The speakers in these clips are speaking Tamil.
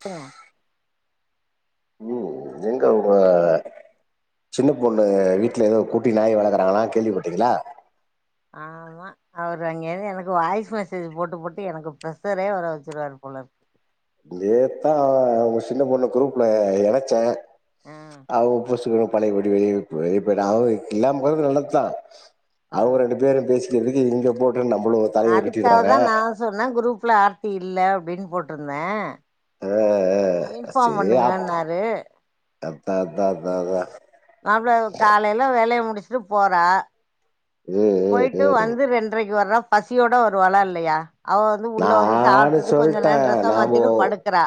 சொல்லுங்க ம், எங்க உங்க சின்ன பொண்ணு வீட்ல ஏதோ குட்டி நாய் வளக்கறாங்களா கேள்விப்பட்டீங்ளா ஆமா அவரு அங்க இருந்து எனக்கு வாய்ஸ் மெசேஜ் போட்டு போட்டு எனக்கு ப்ரசரே வர வச்சிருவாரு போல இருக்கு நேத்தா உங்க சின்ன பொண்ண குரூப்ல எணைச்சே ம் அவ பொசுக்குனு பழையபடி வெளிய வெளிய போயிட்ட அவ இல்லாமக்கறது நல்லத்தா அவங்க ரெண்டு பேரும் பேசி எதுக்கு இங்க போ அதுக்காகதா நா சொன்ன குரூப்ல ஆர்த்தி இல்ல பின் போட்ருந்தே ஆ இன்ஃபார்ம் பண்ணுங்கன்னாரு அத் தா அதா அதா மாப்ள காலைல வேளைய முடிச்சு ட்டு போறா ம் ம் போயிட்டு ம் வந்து ரெண்டரைக்கு வர பசியோட வருவாலா இல்லையா அவ வந்து உள்ள வந்து நானு சாப்பிட்டு கொஞ்சம் நேர டிரஸ்ச மாத்திட்டு படுக்கறா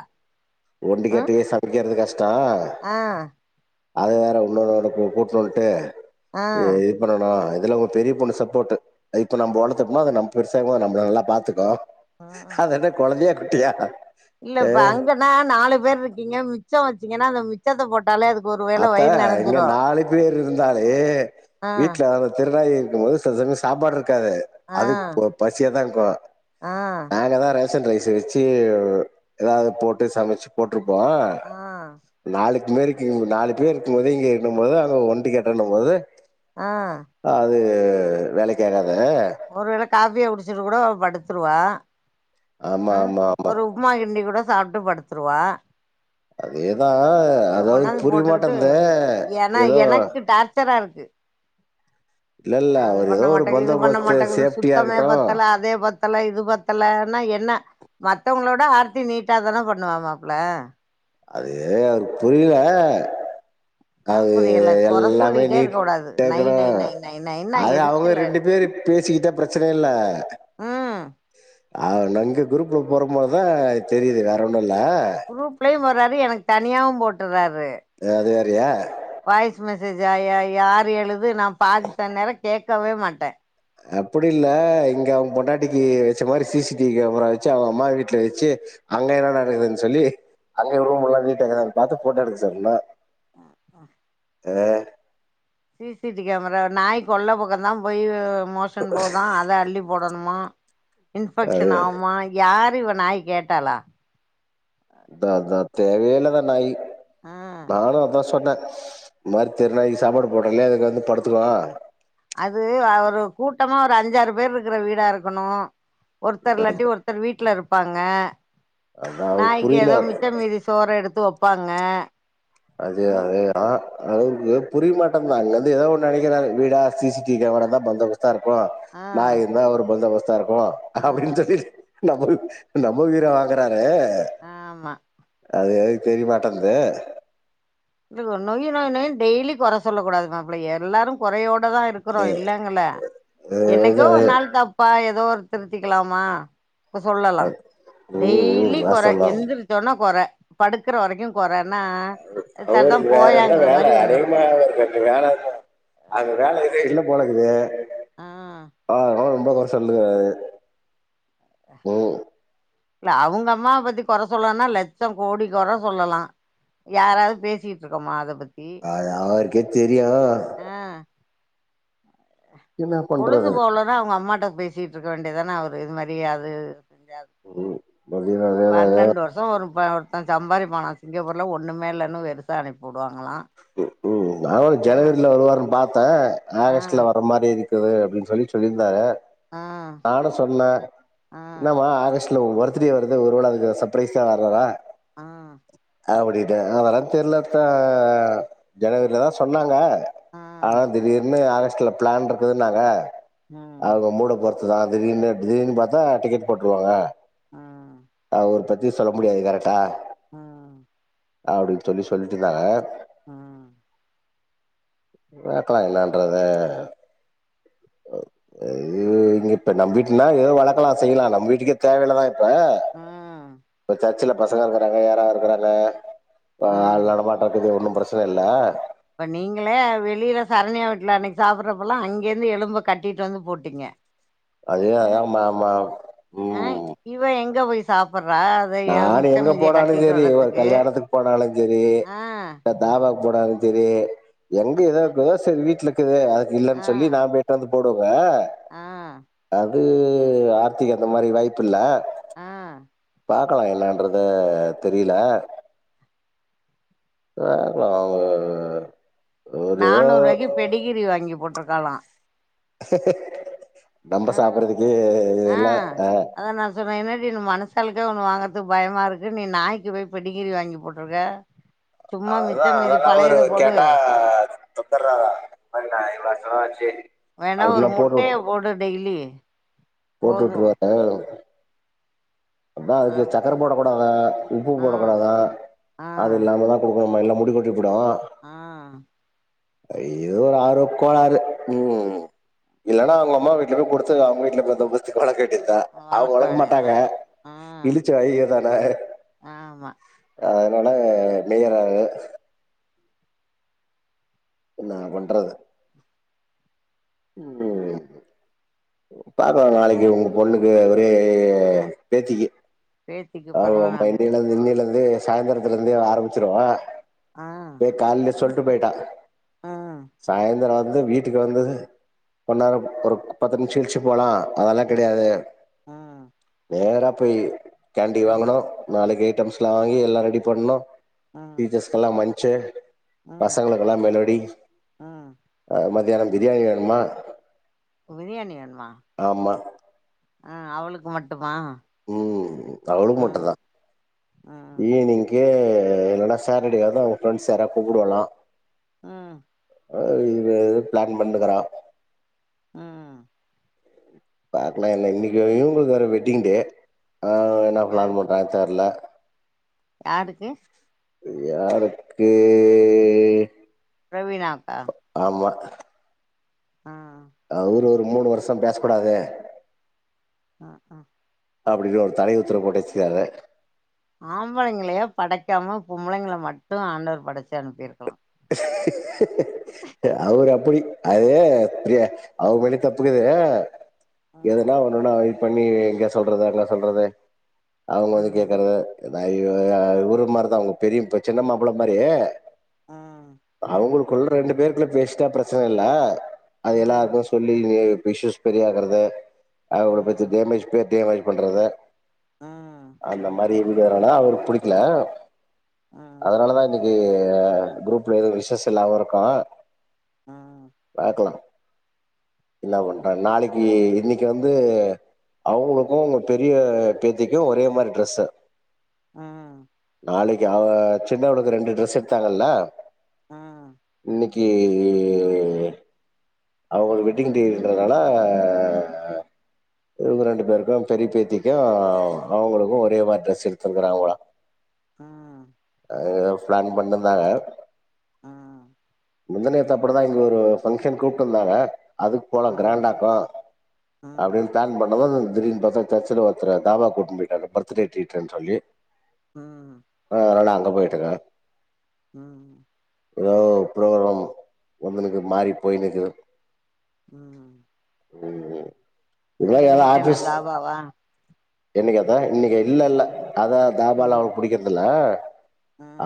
ஒண்டி ம் கட்டையே சமைக்கறது கஷ்டோ ஆ அது வேற உன்னொன்னு ஒன்ன கூட்டணு வன்ட்டு ஆ ஏ இது பண்ணனா இதுல அவங்க பெரிய பொண்ணு சப்போர்ட்டு இப்ப நம்மவளர்த்தோம்னா அத பெருசாககுபோ நம்மல நல்லா பாத்துக்கு அத என்ன கொழந்தையா குட்டியா ஏ, இல்லப்ப அங்கன்னா நாலு பேர் இருக்கீங்க மிச்சோ வச்சீங்கன்னா அந்த மிச்சத்தை போட்ட அத்தா இங்க நாலு பேர் இருந்தாலே ஆ வீட்ல அதாவது தெருநாயி இருக்கு போது சில சமயோ சாப்பாடு இருக்கு இருக்காது ஆ அது பசியா தா இருக்கு ஆ நாங்க தா ரே சன் ரைஸ் வெச்சு ஏதவது போட்டு சமைச்சு போட்டு டுருப்போ ஆ நாளைக்கு மேரிக்கு நாலு பேர் இருக்கு போது இங்கேனும் போது ஓண்டி கட்டென்னும்போது ஆ அது ஆ வேலக்கு ஆகாது ஒருவேள காபியா குடிச்சுட்டு கூட படுத்து த்துருவா ஆமா ஆ ஆமா ஆமா ஒரு உப்புமா கிண்டி கூட சாப்பிட்டு படுத்துருவா அதேதா இத அதாவரு கொண்டாந்து புரிய போட்டுக்கிட்டு மாட்டேந்து ஏதோ இ இல்ல இல்ல அது அவர் பண்ண ஏதோ ஒரு மாட்டேக்குது இது பண்ண பந்தோபஸ்து மாட்டேக்குது சேஃப்டியா சுத்தமே இருக்கட்டு பத்தல அதே ப அது பத்தல இது பத்தலன்னா எ என்ன மத்தவங்களோட ஆர்த்தி நீட்டாாதானே பண்ணுவா மாப்ல அது அவருக்கு புரியல என்னா அது புரியல கொற எல்லாமே சொல்லிட்டே இருக்க கூடாது நை நீட்டேக்கட நை நை நை நைன்னா அத அவங்க எரிச்சல் ஆயிடு ரெண்டு பேரு பேசிக்கிட்ட பிரச்சனை இல்ல ம் அவ நங்கு குரூப்ல போறபோதுதா தெரியிது வேற ஒன்னு குருப்லையு வரா எனக்கு தனியாவு போட்டுறாரு அ அது ஏ வாய்ஸ் மெசேஜ் ஆய்யாய்யா யாரு எழுது நா பாதி த நேரோ கேக்கவே மாட்டே அப்படி இல்ல இங்க அவ பொன்னாட்டிக்கு வெச்ச மாரி சி சி டிவி கேமரா வெச்சு அவங்க அம்மா வீட்டுல வெச்சு அங்க என்ன நடக்குதுன்னு சொல்லி அங்கே ரூம் எல்லா வீட்டு நீட்டா இருக்குதான்னு பாத்து போட்டோ எடுக்க சொல்லனா அ ஆ ஆ சிசிடி கேமரா நாய்க் கொள்ள பக்கொ தா பொய்யோ மோஷன் போதா அத அள்ளி போடன் நம்மா அது இன்ஃபெக்ஷன் ஆவ்மா யார் தி இவ நாய் கேட்டாளா தா அத்தா தேவையேலதா நாயி ம் நானு அதா சொன்னே மாரி தெரு நாய் சாப்பாடு போட்டோ இலே அதுக் வந்து படுத்துவா அது அவ்ரு கூட்டமா ஒரு அஞ்சாறு பேர் இருக்ற வீடா இருக்கணு ஒர்த்தர்லாட்டி ஒர்த்தர் வீட்ல இருப்பாக் அங்க அதா அவருக்கு நாய்க் புரியல எதோ அவரு மிச்ச மீதி சோற எடுத்து வொப் ப்பாங்க அது அதேரா அவ்ருக்கு புரிய மாட்டன்து அல்லந்து ஏதாவ் ஒ நெனைக்கிறாரு வீடா சிசிடிவி கேமரான்ந்தா பந்தா பஸ் தா இருக்கு ஆ நா இருந்தா அவர் பந்தாபஸ் தா இருக்கு ஆ அப்டின் சொல்லி நம்மரு நம்ம வீரோ வாங்குறாரே ஆமா அது தெரிய மாட்டன்து இதுகோ நொய் நொய் நொய் டெய்லி கொற சொல்லக் கூடாது மாப்ளே எல்லாரு கொறையோட் டதா இருக்குறோ இல்லங்கள என்னக்கோ ஒர் நாள் தப்பா எத் தோர் திருத்திக்கலாமா இப்ப சொல்லலா ம் ம் டெய்லி கொற வாஸ்தவந்தா எந்திரிச்சோனா கொற படுக்ற வரைக்கு கொறன்னா அவ்ருக் சரிதா அவ்ரு வேற என்ன போயாங்கிற வேல மாரி வந்துரு அடிக்மா அவர்க் அந்து வேலதா அந்த வேலை இல்லே என்னப் போலக்குதே ஆ ஆ வ ஒம்ப கொற சொல்லுவ நீ ல்ல அவுங்க அம்மாவ பத்தி கொற சொல்லானா லெச்சோ கோடி கொற சொல்லலா யாராவ் பேசிட்ருக்கோமா அத பத் ஆரு அவர்க்கே தெரியு ஆ என்ன பொழுது பண்றது போலதா அவ்ங் அம்மாட்ட பேசிட் ட்ருக்க வேண்டிதான அவரு இது மாரி அது ம் மதியான வேல பன்னெண்டு வர்ஷோ வரும்பா அவஞ் சம்பாரிபானா சிங்கபூர்ல ஒன்னுமே இல்லன்னு வெறுசா அனுப்பி வுடுவாங்களா உம் கும் நவ ஆ ஜனவரில வருவாருனு பாத் தே ஆ ஆகஸ்ட்ல வர்ர மாரி இருக் குது அப்டின் சொல்லி சொல்லி இருந்தாக ஆ ஆட சொன்னே ஆ என்னமா ஆகஸ்ட் இல்ல ஒ பர்த்டே வருது ஒருவேல அதுக்கு சப்ரைஸ் ஆ வர்றாரா ஆஹ் அப்டின்ட்டு அதுலா தெர்லாத்தா ஜனவரிலதா சொன்னாங்க ஆனா ஆ திடீர்னு ஆக ஸ்ட்ல ப்ளான் இருகுதுனாங்க ம் அவுங்க மூடப்பொறுத் துதா திடீர்னு திடீர்னு பாத்தா டிக்கெட் போட்ருவாங்க ம் ம் அவரு ஒருத்தர் து சொல்ல முடியாது கரெட்டா உம் அப்டினு சொல்லி சொல்லிட்ருந்தாங்க உம் வளக்லா எல்லான்றத இது இங்க இப்ப நம் வீட்னா ஏதோ வளக்கலா செய்யலா நம் வீட்டுகே தேவயில்லதா இப்ப ம் வச்சா சில பசங்க இருகறாங்க யாராது இருகறாங்க இப்ப ஆள் ம் நடமாட்ட இக்குது ஒன்னும் ப்ரச்சன இல்ல இப்ப நீங்களே அ வெளில சரணியா வீட்ல அன்னைக்கு சாப்டுறப்பல்லா அங்யேருந்து எலும்ப கட்டிட்டு வந்து போட்டீங்க அது அ ஆமா ஆமா உம் சாப் நானு எங்க போனாலு செரி ஒரு வர்றதுக்கு கல்யாணதுக்கு போனாலு செரி ஆ [unintelligible] போனாலு செரி எங்க ஏதாது தோச வீட்ல இக்கது து அதுக்கு ஆ இல்லன் சொல்லி நா போய்ட்டு வந்துட் போடோ இப்ப அது ஆ அது ஆர்த்திக்கி அந்த மாரி வாய்ப்பு இல்ல. ஆஹ் பாக்கலாம் என்னான்றது தெரில. வ உ நானூறு ருவாய்க்கி பெடிகிரி வாங்கி போட் ருக்கலாம் நம்ப சாப்பட்றதுக்கே ஆ இதெல்லா அ மனுசாலுக்கே ஒண்ணு வாங்கறதுக்கு பயமா இருக்கு. நீ நாய்க்கு போய் பெடிகிரி வாங்கி போட்டிருக்க அதா அதெல்லா ஒரு கேட்டா தந்தட்றாங்க இந்தமாரி நாய்லா ஆ சேரி வேணா ஒரு முட்டைய போடு டெய்லி போட்டு போது வுட்ருவாங்க அதா அதுக்கு அப்டி சக்கர போடக்கூடாதா, உப்பு ஆ போடக்கூடாதா. ஆ அது இல்லாமதா குடுக் போட்னுமா இல்லனா முடிகொட்டி ஆ ஐயோ ஒரு ஆர்வக்கோளாறு ம். இல்லன்னா அவங்க அம்மா வீட்ல போய் குடுத்து அவங்க வீட்ல பந்தோபஸ்துக்கு வளக்க வேண்டியதா அவங்க வளக்க மாட்டாங்க. ஆ இளிச்சவாயி இவ தான ஆமா அதனால மேயராங்க என்னா பண்றது? ம் பாக்கலா நாளைக்கி ஒங்க பொண்ணுக்கு ஒரே பேத்திக்கு பேத்திக்கு ஆமா பொறந்த ஆமா நாளு இன்னெலந்து இன்னெலந்து சாயந்திரத்துல இருந்தே ஆரம்பிச்சிரவா ஆ இப்பவே காலைலெ சொல்ட்டு போயிட்டா ம் சாயந்திர வந்து வீட்டுக்கு வந்து கொண்ணெரோ ஒரு பத்து நிமிஷம் கழிச்சி போலா அதெல்லா ம் கெடையாது ம் நேரா போய் கேண்டி ம் வாங்கணும் நாளைக்கி டம்ஸ் எல்லா வாங்கி எல்லா ரெடி பண்ணனு ம் டீச்சர்ஸ்க்கெல்லா மன்ஞ் சே ம் பசங்களுக்கெல்லா மெலோடி ம் அ மத் மதியானம் பிரியாணி வே இன்னா பிரியாணி வேண்மா ம் அவுளுக்கு மட்டுமா ம் அவுளுக்கு ம் மட்டுதா ம் ஈவ்னிங்கே அ இல்லன்னா சாட்டடே அது அவுங்க ஃப்ரெண்ட்ஸ் யாரா கூப்புடுவாங்ளா அ ஆ இவே ஏதோ பிளான் பண்ணுகிறா அ பாக்கலா என்ன இன்னிக்கு இவுங்குளுக்கு வேற வெட்டிங் டே அவ என்ன யா ப்ளான் பண்றா தெர்ல யாருக்கு யாருக்கே பிரவீனாக்கா ம் அவுரு ஒர் இந்த மூணு வருஷம் பேசக் கூடாது அ அ அப்டின்னு ஒரு தடை உத்தரவு போட்டு வெச்சிக்கிறாங்க ஆம்பளைங்ளே படக்காம பொம்ளைங்ள மட்டு ஆண்டவர் படச்சு அனுப்பிர்க்லா த அவர் அப்படி அது இப்டி அவுங் மேலயு தப்புக்கீது ம் எதனா ஒன்னுன்னா ஐ பண்ணி இங்க சொல்றது அங்க சொல்றது அவங்க வந்து ம் கேக்குறது [unintelligible] இவுரு மாரிதா உங்க பெரியப்ப சின்ன மாப்பிள மாரி ம் க்குள்ள ரெண்டு பேருக்குள்ள பேசிட்டா பிரச்சனை இல்ல அது எல்லாருக்கு ம் சொல்லி இஷூஸ் பெரியாகறத அவுங்கள பத்தி ம் டேமேஜ் பேர் டேமேஜ் பண்றது ம் அந்த மாரி அப்டி இருந்து வரனா அவருக் புடிக்கல ம் அதனாலதா இன்னைக்கி [unintelligible] குரூப் இப்டி ஒரு விஷயோ செல்லாம இருக்கோ ம் ம் பாக்கலா எல்லா பண்டாங்க நாளைக்கி இன்னைக்கு வந்து அவங்களுக்கு உங்க பெரிய பேத்திக்கும் ஒரே மாரி டிரெஸ்ஸு ஆ நாளைக்கு அவ சின்னவளுக்கு ரெண்டு ட்ரெஸ் எடுத்தாங்கல ம் இன்னைக் கே அவங்களுக்கு வெட்டிங் டேன்றதுனால இவங்க ரெண்டு பேருக்கு பெரிய பேத்திக்கு அவங்களுக்கு ஒரே மாரி ட்ரெஸ் எடுத்திருக்கறாங்க போல ஆ அ எயோ ஃப்ளான் பண்ணுன்தாக ம் முந்தாநேத் அப்படி தா இங்கொரு ஃபங்ஷன் கூப் தொன்னாக அதுக் போலா ம் க்ராண்டாக்கொ ம் அப்டின் ப்ளான் பட்டதன் திடின் பாத்தா சர்ச்சுல ஒர்த்தர தாபா கூட்னு போய்ட்டாங்க பர்த்துடே ட்ரீட்டுன் சொல்லி ம் ஆல அங் அ போய்ட்டுக்னா ம் எதோ ப்ரோக்ரம் வந்துனுக்கு மாறி போய்னுக்கு ம் ம் இது இன்னைக்கு நைட் என்ன தாபாவா என்னிக் அத்தா இன்னிக்கி இல்லல்ல அதா தாபால ம் அவ்ளு புடிக்கற்தில்ல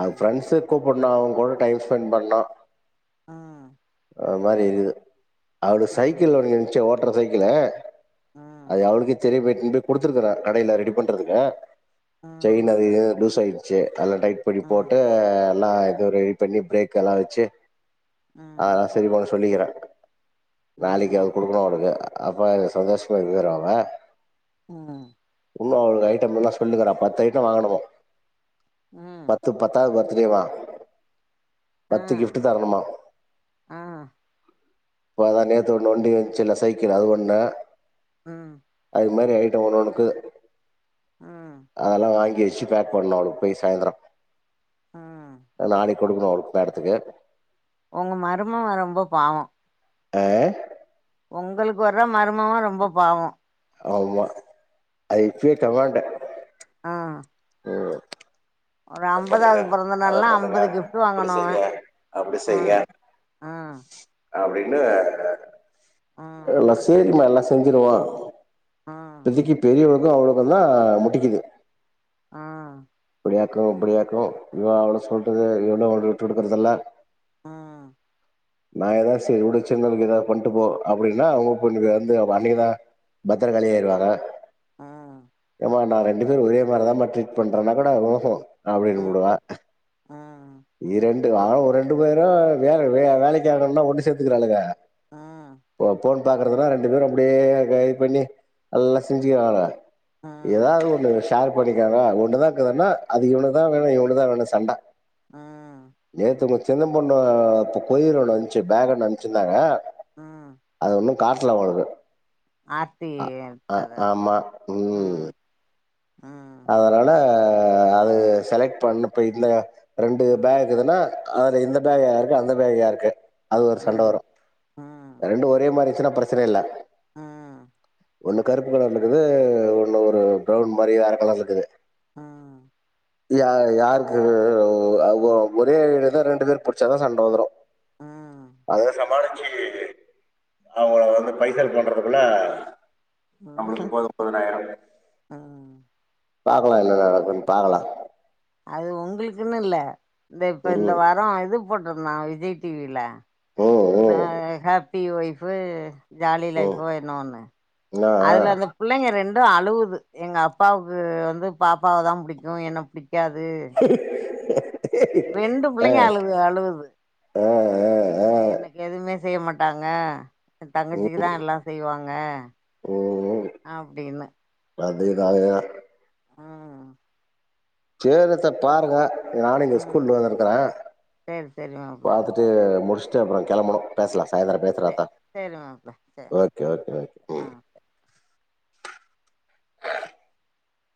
அவ் ஃப்ரெண்ஸு கூ போட்னுவ் அவ்ங் கூட டைம் ஸ்பெண் பண்னு ஆ அ மாரி இருக்குது அவ்ரு சைக்கிள் ஒன்னு இன்ச்சே ஓட் ட்ர சைக்கிள ம் அத் அவ்ளுக்கே தெரிய போய் இம்பே குடுத்துர்க்கற கடய்ல ரெடி பண்றதுக்க ம் செய்ன அதிக லூச் ஆய்ர்ச்சே நல்ல டைட் பன்னி ம் போட்டே லா எதோ ரெடி பண்ணி ப்ரேக் எல்லா வச்சு ம் ஆஆ சரி பாஸ் பன்னிக்கிற ம் நாளைக் ம் அவ் குடுக்குணு அவ்ளுக்கா அப்பாரு சந்தோஸ்மா இக்குராவ்ங்க ஆ இன்னு அவ்ளு ஐட்டம் என்னா சொல்லுக்குறா பத்து ஐட்ட வாங்கணுமோ பத்து பத்தாவ் வர் ச்சிரிவா பத்து ம் கிஃப்ட்டு தரணுமா போதா நேத்து ஒண் ஒண்டி வந்ச்சுல்ல சைக்கிளு அது ஒண்ண ம் இந் மாரி ஐட்டோ வரு உனக்கு ம் அதல்லா வாங்கி வெச் சு பேக் பண்ணு அவுளுக் போயி சாய்ந்ரோ ம் அ நாளை குடுக்குணு அவுளுக் மேடத்துக்கு உங்க மருமவ ரொம்ப பாவோ அ உங்களுக்கு வர்ற மருமவ ரொம்ப பாவோ ஆமா அது இப்பியே கமேண்ட ஆ ம் ஒரு பண்ணுங்க அம்பதாவது அத பொறந்தனாள்னா பண்ணுங்க அம்பது கிஃப்ட் இப்டி வாங்குணு அவ செய்ங்க அப்டி செய்ங்க ம் ம் அப்டின்னு அ எல்லா சேரிமா எல்லா ஸ் செஞ்சிருவா ஆ இப்பத்திக்கி பெரியவளு ன்னு அவுளுகுந்தா தா முட்டிகிது ஆஹ் ப்டியாக்கு அப்பிடியாக்கு இவ அவள சொல்றது இவளு அவள விட்டு குடுக்குறதல்ல ம் நா எதாவ் செரி உடு சின்னதுக் எதாவ் பண்டு போ அப்டின்னா அவுங்க பொண்ணுக்கு வந்து அவ் அன்னிக்கி தா பத்தரகாளியாயிருவாங்க அ ப நா ரெண்டு பேர் ஒரே மார தாம்ப ட்ரீட் பண் ண்றனா கொட ஓஹோ அப்டின்னு புடுவே ஆ ஆ இரண் ஆனா ஒ ரெண்டு பேரு வேல வே வேலைக்காவுனுன்னா ஒண்ணு சேந்துக்கிறாளுங்க ஆ போ போன் பாக்கறதுன்னா ரெண்டு பேரு அப்டியே இ இது பண்ணி நல்லா செஞ்சுக்குவாங்க எதாவது ஒன்னு ஸ் ஷேர் பண்ணிக்காங்கா ஒன்னுதா க்குதுன்னா அது இவுனுகுதா வேணு இவுனுகுதா வேணு சண்ட அ சின்ன பொண்ணு ப்ப போயிரு லன்ச்சு பேகு ஒன்னு அம்சிர்ந்தாங்க ஆ அது ஒண்ணு காட்ல வாழுது ஆர்த்தி அ அஹ் எடுத்ததா ஆமா உம் ம் ம் அதனால அது செலக்ட் பண்ணப்ப இல்ல ரெண்டு ம் பேக் இதுனா அதுல இந்த பேகு யாருக்கு அந்த பேகு யாருக்கு அது ஒரு சண்ட ம் வரு ம் ரெண்டு ஒரே மாரிந்ச்சுனா ப்ரச்சினை இல்ல ம் ஒண்ணு கருப்பு கலர்ல இருக்குது ஒன்னு ஒரு பிரவுன் மாரி அரக் கலர்ல இருக்குது ம் யா யாருக்கிது ஓ அ ஓ ஒரே இடதா ரெண்டு பேர் புடிச்சாதா சண்ட வந்துரு ம் அதுங்க சமாளிக் ச்சி அவுங்கள வந்து பைசல் பண்றதுக்குல நம்மளுக்கு போதும்போதுன் ஆய்ரு ம் பாக்கலா என்ன நடக்குன் பாகலா அது ஒங்களுக்குன் இல்ல இந்த இப்ப இந்த ம் வாரோ எது போட்ருந்தா விஜய் டி வி ல ம் நா ம் ஹேப் பி வொய்ஃபு ஜாலி ம் லைஃபோ என்னவோன்னு என்னா அ அதுல அந்த புள்ளைங்க ரெண் ட்டா அழுவுது எங்க அப்பாவுக்கு வந்து பாப்பாவதா புடிக்கு என்ன புடிக் காது ரெண்டு புள்ளைங்க அழுகு அழுவுது அ அ அ ஆ எனக்கு எதுவ்மே செய்ய மாட்டாங்க எ தங்கச்சிக்குதா ம் எல்லா செய்வாங்க ம் அப்டின்னு [unintelligible] ஆ சேருரத்த பாருங்க நானு இங்க ம் ஸ்கூல்ள்ளதா இருக்குற சேரி சேரி மாப்ள பாத்துட்டு முடிஸ்ட்டு அப்பறங் கெளம்பனு பேஸ்லாஸ் சாயந்தர சே பேசறாத்தா சேரி மாப்ள சேரி ஓகே ஓகே ஓகே ம்